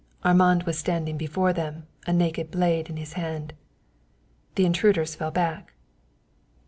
Armand was standing before them, a naked blade in his hand. The intruders fell back.